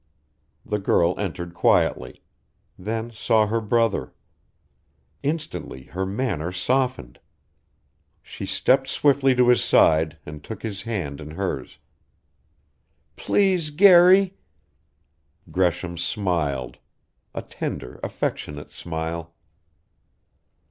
The girl entered quietly then saw her brother. Instantly her manner softened. She stepped swiftly to his side and took his hand in hers. "Please, Garry " Gresham smiled; a tender, affectionate smile.